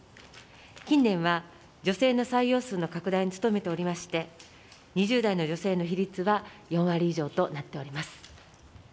近年は女性の採用数の拡大に努めておりまして、２０代の女性の比率は４割以上となっております。